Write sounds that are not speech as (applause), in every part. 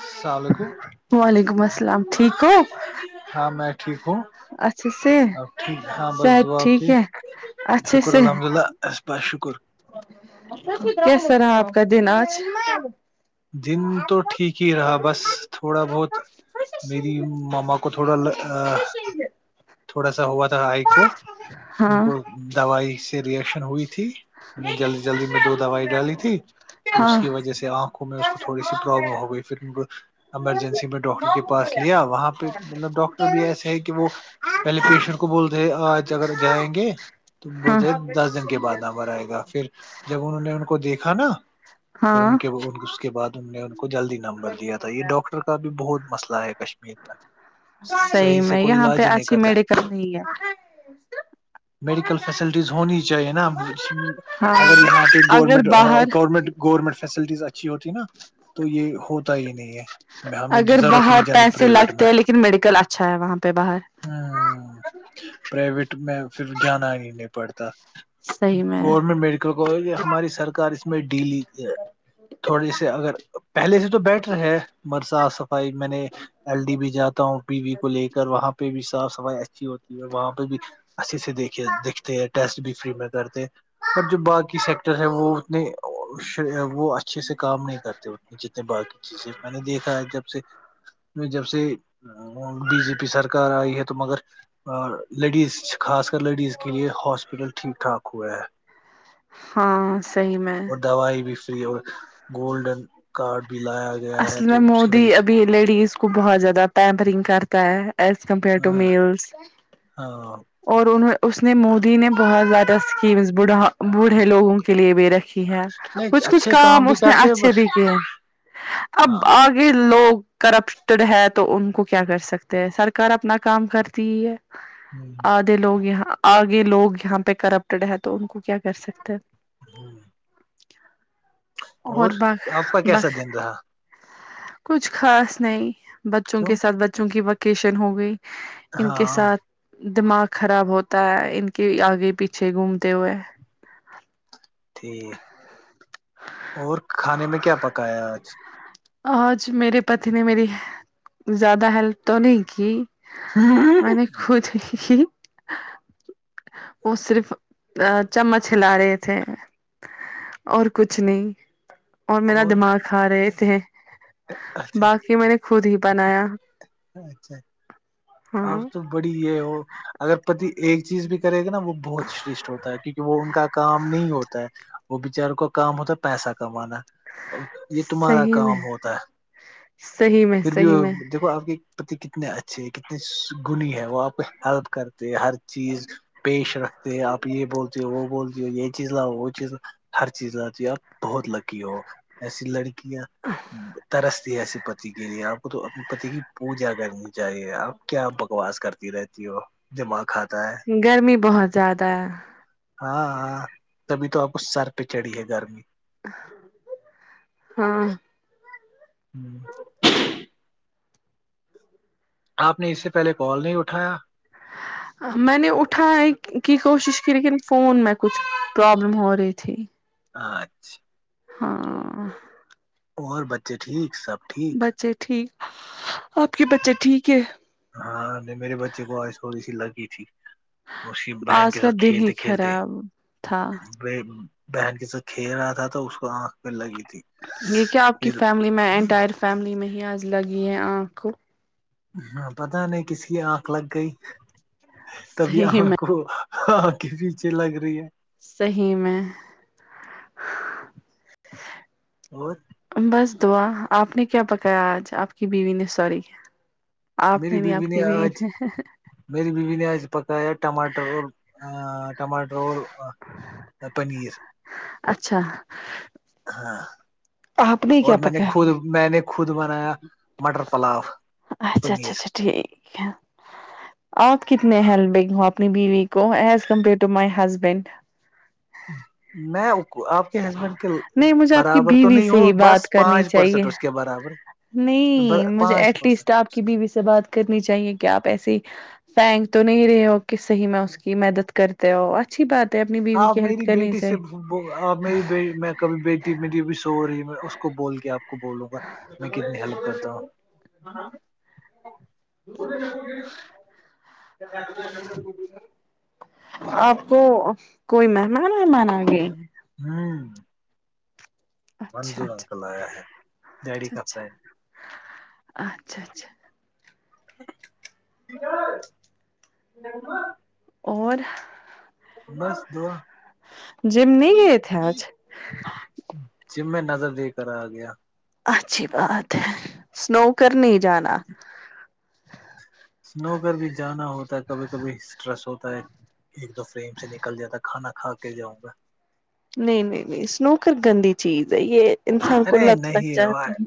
السلام علیکم وعلیکم السلام ٹھیک ہو ہاں میں ٹھیک ہوں اچھے سے اب ٹھیک ہاں بس صحت دعاب تھی ٹھیک ہے اچھے شکر سے الحمد اللہ بس شکر کیسا رہا آپ کا دن آج دن تو ٹھیک ہی رہا بس تھوڑا بہت میری ماما کو تھوڑا تھوڑا سا ہوا تھا آئی کو ان ہاں کو دوائی سے ریئیکشن ہوئی تھی میں جلدی جلدی میں دو دوائی ڈالی تھی اس ہاں جیسے آنکھوں میں اس کو تھوڑی سی پروابلم ہو گئی پھر ایمرجنسی میں ڈاکٹر کے پاس لیا وہاں پہ مطلب ڈاکٹر بھی ایسے ہے کہ وہ پہلے پیشنٹ کو بولتے آج اگر جائیں گے تو ہاں بولتے دس دن کے بعد ن آئے گا پھر جب انہوں نے ان کو دیکھا نا پھر ان ہاں کے اس کے بعد ان نے ان کو جلدی نمبر دیا تھا یہ ڈاکٹر کا بھی بہت مسئلہ ہے کش صحیح سے میں کوئی یہاں پہ علاج ہی نہیں اچھی کرتا میڈیکل نہیں ہے میڈیکل فیسلٹیز ہونی چاہیے نا ہاں اگر یہاں پہ اگر گورنمنٹ باہر گورنمنٹ گورنمنٹ فیسلٹیز اچھی ہوتی نا تو یہ ہو اگر باہر جانی پیسے پرائیویٹ میں لگتے ہیں لیکن میڈیکل اچھا ہے وہاں پہ باہر ہ پرائیویٹ میں پھر جانا ہی نہیں پڑتا صحیح میں گورنمنٹ میڈیکل کالج یا ہماری سرکار اس میں ڈیل لی ہے تھوڑے سے اگر پہلے سے تو بیٹر ہے مگر صاف صفائی میں نے ایل ڈی بھی جاتا ہوں پی وی کو لے کر وہاں پہ بھی صاف صفائی اچھی ہوتی ہے وہاں پہ بھی اچھے سے دیکے دیکھتے ہیں ٹیسٹ بھی فری میں کرتے پر جو باقی سیکٹر ہیں وہ اتنے وہ اچھے سے کام نہیں کرتے اتنے جتنے باقی چیزیں میں نے دیکھا ہے جب سے میں جب سے بی جے پی سرکار آئی ہے تو مگر اور لیڈیز خاص کر لیڈیز کے لیے ہاسپٹل ٹھیک ٹھاک ہوا ہے ہاں صحی میں اور دوائی بھی فری اور گولڈن کارڈ بھی لایا گیا ہے اصل میں تو اس کی مودی وجہ سے ابھی لیڈیز کو بہت زیادہ پیمپرنگ کرتا ہے ایز کمپئر ٹو ہاں میلس ہاں اور انہ اس نے مودی نے بہت زیادہ اسکیم بڑھا بوڑھے لوگوں کے لیے بھی رکھے ہے نہیں کچھ کچھ اچھے کام بھی اس نے کرتے ہیں اچھے بٹ بھی کیے اب ہاں آگے یہ لوگ کرپٹڈ ہے تو ان کو کیا کر سکتے ہیں سرکار اپنا کام کرتی ہی ہے آدھے لوگ یہاں آگے لوگ یہاں پہ کرپٹڈ ہے تو ان کو کیا کر سکتے ہوں اور آپ کا ب کیسا دن رہا کچھ خاص نہیں بچوں کیوں کے ساتھ بچوں کی وکیشن ہو گئی ان کے ہاں ساتھ دماغ خراب ہوتا ہے ان کے آگے پیچھے گھومتے ہوئے ٹھیک اور کھانے میں کیا پکایا آج آج میرے پتی نے میری زیادہ ہیلپ تو نہیں کی م نے خود وہ صرف چمچ ہلا رہے تھے اور کچھ نہیں اور میرا دماغ کھا رہے تھے اچھا باقی میں نے خود ہی بنایا اچھا ہاں اب تو بڑی یہ ہو اگر پتی ایک چیز بھی کرے گا نا وہ بہت شرشٹھ ہوتا ہے کیونکہ وہ ان کا کام نہیں ہوتا ہے وہ بچاروں کو کام ہوتا ہے پیسہ کمانا یہ تمہارا صحیح میں کام ہوتا ہے صحیح میں پھر بھی صحیح میں دیکھو آپ کے پتی کتنے اچھے کتنی گنی ہے وہ آپ ہیلپ کرتے ہیں ہر چیز پیش رکھتے ہیں آپ یہ بولتے وہ بولتی یہ چیز لا وہ چیز ہر چیز لایپ بہت لکی ہو ایسی لڑکیاں ترستی ایسے پتی کے لیے آپ کو تو اپنے پتی کی پوجا کرنی چاہیے اب کیا بکواس کرتی رہتی ہو دماغ کھاتی گرمی بہت زیادہ ہے ہاں ہاں تبھی تو آپ کو سر پہ چڑی ہے گرمی ہاں ہوں آپ نے اس سے پہلے کال نہیں اٹھایا میں نے اٹھائے کی کوشش کی لیکن فون میں کچھ پرابلم ہو رہی تھی اچھا ہاں اور بچے ٹھیک سب ٹھیک بچے ٹھیک آپ کے بچے ٹھیک ہے ہاں نہیں میرے بچے کو آسوڑی سی لگی تھی اسی بہن آج کے کا ساتھ دن ہی کھیلتے کھیلتے خراب تھا بہن کے ساتھ کھیر رہا تھا تو اس کو آنکھ پ لگی تھی یہ کیا آپ کی پھر فیملی میں انٹائر فیملی میں ہی آج لگی ہے آنکھوں ہاں پتا نہیں کسی کی آنکھ لگ گئی تبھی صحیح آنکھ میں کو ہاں کے پیچے لگ رہی ہے صی میں اور بس دعا آپ نے کیا پکایا آج آپ کی بیوی نے سوری آپ میری نے نہیں بیوی آپ کی بھی آج میری بیوی نے آج پکایا ٹماٹر اور ٹماٹر اور پنز اچھا ہاں آپ اور کیا میں نے خود پکایا میں نے خود بنایا مٹر پلاو اچھا اچھا اچھا ٹھیک ہے آپ کتنے ہیلپنگ ہو اپنی بیوی کو as compare to my husband میں ا آپ کے ہسبینڈ کے نہیں مجھے آپ کی برابر تو بیوی نہیں سے ہو ہی بس بات کرنی پانچ چاہیے پرسینٹ اس کے برابر ر نہیں مجھے پانچ ایٹ پرسنٹ لیسٹ آپ کی بیوی سے بات کرنی چاہیے کہ آپ ایسی فینک تو نہیں رہے ہو کہ صحی میں اس کی مدد کرتی تو اچھی بات ہے اپنی بیوی کی ہیلپ کرنی چائے پ میری بی میں کبھی بیٹی میریب بھی سو رہی ہے اس کو بول کے آپ بولوں گا میں کتنی ہیلپ کرتا ہوں ہ آپ کو کوئی مہمان مہمان آ گئے ہیں ہوں اچھا منظور اچھا انکل آیا ہے ڈیڈی کا اچھا فریڈ اچھا اچھا ج اور بس دو جیم نہیں گئے تھے آج ج میں نظر دے کر آ گیا اچھی بات ہے سنو کرنے جانا سنو کر بھی جانا ہوتا ہے کبھی کبھی اسٹریس ہوتا ہے ایک دو فریم سے نکل جاتا ہے کھانا کھا کے جاؤں گا نہیں نہیں نہیں اسنوکر گندی چیز ہے یہ انسان کو ارے لت لگ نہیں جاتی بھائی ہے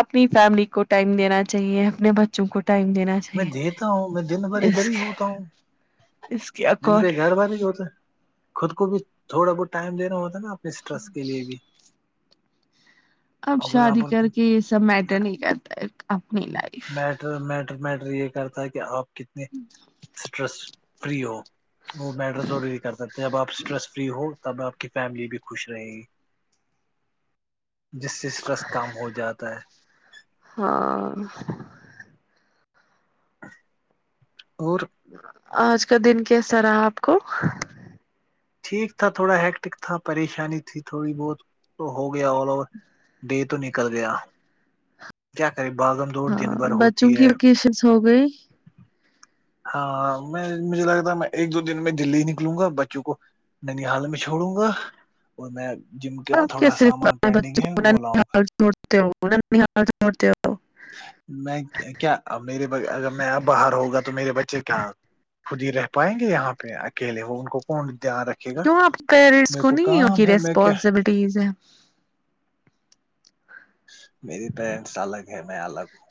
اپنی فیملی کو ٹائم دینا چاہیے اپنے بچوں کو ٹائم دینا چے میں دیتا ہوں میں دن بھر ادھر ہی ہوتا ہوں اس کے دن پہ اکارڈ گھر والے ہی ہوتا خود کو بھی تھوڑا بہت ٹائم دینا ہوتا نا اپنی اسٹرس کے لیے بھی اب اگر آپ شادی کر کے یہ سب میٹر نہیں کرتا اپنی لائف میٹر میٹر میٹر یہ کرتا ہے کہ آپ کتنے اسٹرس فری ہو وہ میٹر ضروری کرتا تھے جب آپ اسٹریس فری ہو تب آپ کی فیملی بھی خوش رہے گی جس سے اسٹرس کام ہو جاتا ہے ہاں اور آج کا دن کیسا رہا آپ کو ٹھیک تھا تھوڑا ہییکٹک تھا پریشانی تھی تھوڑی بہت تو ہو گیا آوور د تو نکل گیا کیا کرے باغم دو ہاں بچوں کی وکیشنس ہو گئی ہاں میں مجھے لگتا میں ایک دو دن میں دلی ہی نکلوں گا بچوں کو ننی حال میں چھوڑوں گا اور میں جا اور کیا صرف اپنے بچوں کو ننھی حال چھوڑتے ننھی حال چھوڑتے ہو میں کیا میرے اگر میں باہر ہوگا تو میرے بچے کیا خود ہی رہ پائیں گے یہاں پہ اکیلے وہ ان کو کون دھیان رکھ کیوں آپ پیرنٹس کو نہیں کی میں کیا ریسپانسبلٹیز ہے میری پیرنٹس الگ ہے میں الگ ہوں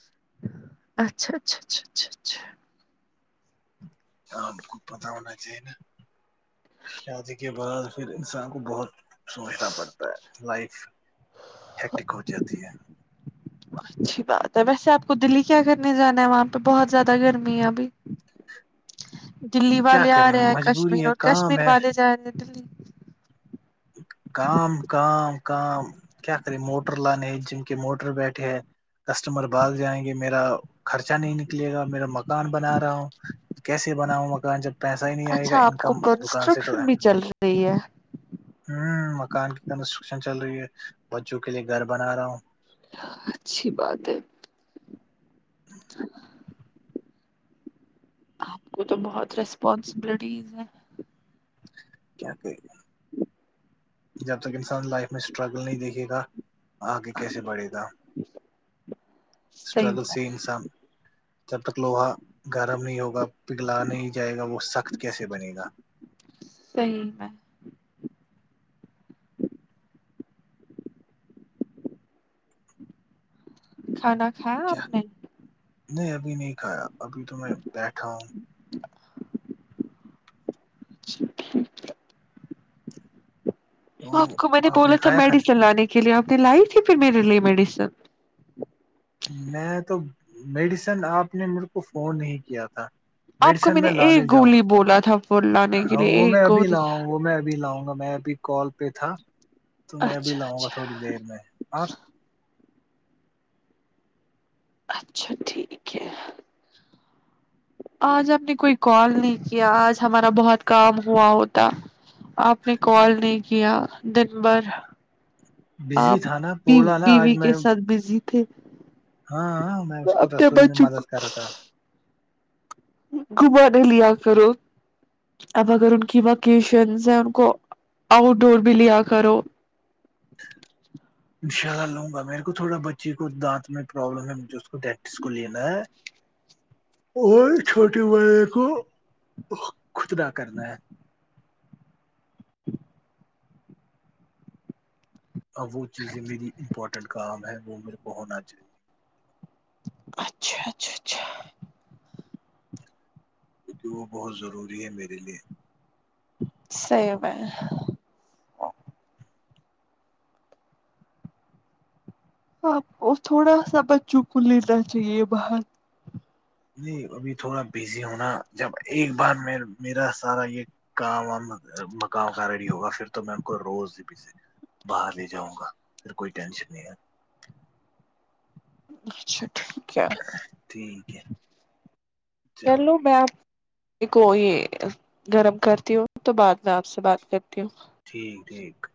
اچھا اچھا اچھا اچھا اچھا آپ کو پتا ہونا چاہیے نا شادی کے بعد پھر انسان کو بہت سوچنا پڑتا ہے لائف ہییکٹک ہو جاتی ہے اچھی بات ہے ویسے آپ کو دلی کیا کرنے جانا ہے وہاں پہ بہت زیادہ گرمی ہے ابھی (inaudible) دلی کیا والے آ کریں رہے ہیں مجبوری کشمیر ہے اور کام کشمیر ہے والے جا رہے ہیں دلی کام کام کام کیا کرے موٹر لانے ہے جم کے موٹر بیٹھے ہے کسٹمر بھگ جائیں گے میرا خرچہ نہیں نکلے گا میرا مکان بنا رہا ہوں کیسے بناؤوں مکان جب پیسہ ہی نہیں آئے گا اچھا آپ کو انکم دکان سے تو کنسٹرکشن ہے، بھی چل رہی ہے ہوں مکان کی کنسٹرکشن چل رہی ہے بچوں کے لیے گھر بنا رہا ہوں اچھی بات ہے آپ کو تو بہت ریسپانسبلٹیز ہیں کیا کہ جب تک انسان لائف میں اسٹرگل نہیں دیکھے گا آگے کیسے بڑھے گا (inaudible) صحیح اسٹرگل میں سے ہی انسان جب تک لوہا گرم نہیں ہوگا پگھلا نہیں جائے گا وہ سخت کیسے بنے گا صحیح ہے کھانا کھایا آپ کیا نے نہیں ابھی نہیں کھایا ابھی تو میں بیٹھا ہوں اچھا ٹھیک ہے آپ تو کو میں نے آپ بولا تھا کھایا کھانا میڈیسن لانے کے لیے آپ نے لائی تھی پھر میرے لیے میڈیسن میں تو میڈیسن آپ نے میرے کو فون نہیں کیا تھا آپ کو میڈیسن نے میں لاے ایک جاؤں گا گولی بولا تھا وہ لانے کے ہاں لیے وہ میں ایک ابھی گولی لاؤں گا وہ میں ابھی لاؤں گا میں ابھی کال پہ تھا تو میں بھی اچھا لاؤں گا اچھا تھوڑی دیر میں آپ اچھا ٹھیک ہے آج ہم نے کوئی کال نہیں کیا آج ہمارا بہت کام ہوا ہوتا آپ نے کال نہیں کیا دن بھر بزی آپ تھا نا بولا نا آج بیوی کے میں ساتھ بزی تھے ہاں ہاں میں اس کو اپنے رسوئی میں بچوں مدد کو کر رہا تھا گھمانے لیا کرو اب اگر ان کی وکیشنس ہیں ان کو آؤٹ ڈور بھی لیا کرو انشاء اللہ لوں گا میرے کو تھوڑا بچی کو دانت میں پرابلم ہے مجھ اس کو پریکٹس کو لینا ہے اور چھوٹے بڑے کو کتلا کرنا ہے (unintelligible) اب وہ چیزیں میری امپورٹینٹ کام ہے وہ میرے کو ہونا چاہیے اچھا اچھا اچھا (unintelligible) کیونکہ وہ بہت ضروری ہے میرے لیے (unintelligible) صی میں (unintelligible) آپ تھوڑا سا بچوں کو لینا چاہیے باہر (unintelligible) نہیں ابھی تھوڑا بزی ہونا جب ایک بار میں میرا سارا یہ (unintelligible) کا مکا کا رڈی ہوگا پھر تو میں ان کو روز بھی سے (unintelligible) باہر لے جاؤں گا پھر کوئی ٹینشن نہیں ہے (unintelligible) اچھا (unintelligible) (inaudible) کیا ٹھیک ہے چلو میںپ کو یہ گرم کرتی ہوں تو بعد میں آپ سے بات کرتی ہوں (unintelligible) ٹھیک ٹھیک (inaudible)